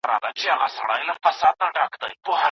ورک یم له شهبازه ترانې را پسي مه ګوره